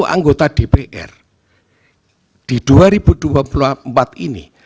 sepuluh anggota dpr di dua ribu dua puluh empat ini